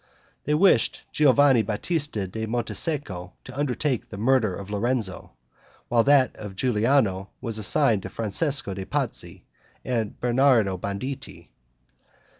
They wished Giovanni Batista da Montesecco to undertake the murder of Lorenzo, while that of Giuliano was assigned to Francesco de' Pazzi and Bernardo Bandini.